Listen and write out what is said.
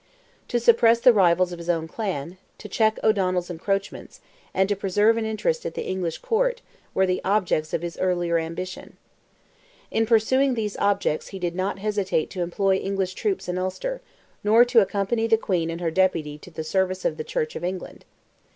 To suppress rivals of his own clan, to check O'Donnell's encroachments, and to preserve an interest at the English Court, were the objects of his earlier ambition. In pursuing these objects he did not hesitate to employ English troops in Ulster, nor to accompany the Queen and her Deputy to the service of the Church of England.